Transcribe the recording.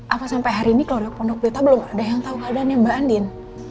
apa sampai hari ini keluarga pondok pita belum ada yang tahu keadaannya mbak andin